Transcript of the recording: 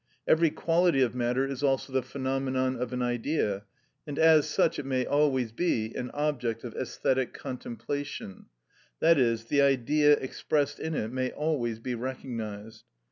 Every quality of matter is also the phenomenon of an Idea, and as such it may always be an object of æsthetic contemplation, i.e., the Idea expressed in it may always be recognised.